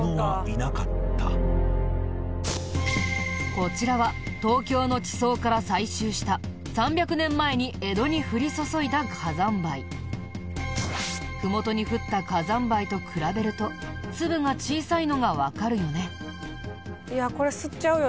こちらは東京の地層から採集した３００年前に麓に降った火山灰と比べると粒が小さいのがわかるよね。